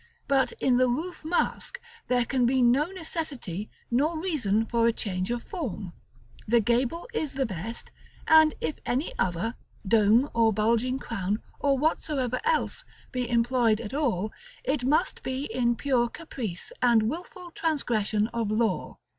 But in the roof mask, there can be no necessity nor reason for a change of form: the gable is the best; and if any other dome, or bulging crown, or whatsoever else be employed at all, it must be in pure caprice, and wilful transgression of law.